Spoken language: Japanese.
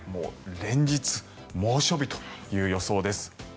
連日、猛暑日という予想です。